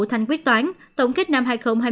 thành quyết toán tổng kết năm hai nghìn hai mươi